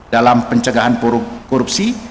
dalam pencegahan korupsi